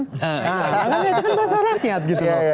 nah makanya itu kan bahasa rakyat gitu loh